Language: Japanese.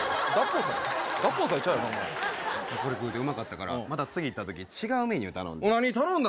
これ食うてうまかったらな、次行ったとき、違うメニュー頼んだ。